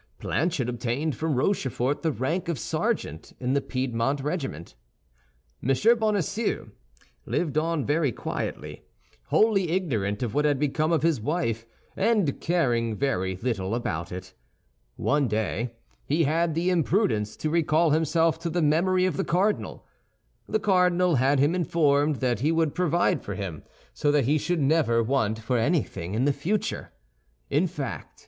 Planchet obtained from Rochefort the rank of sergeant in the Piedmont regiment. M. Bonacieux lived on very quietly, wholly ignorant of what had become of his wife, and caring very little about it. One day he had the imprudence to recall himself to the memory of the cardinal. The cardinal had him informed that he would provide for him so that he should never want for anything in future. In fact, M.